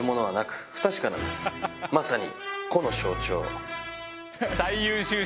まさに。